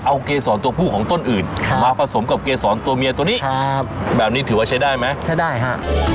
เอาเกษรตัวผู้ของต้นอื่นมาผสมกับเกษรตัวเมียตัวนี้ครับแบบนี้ถือว่าใช้ได้ไหมใช้ได้ฮะ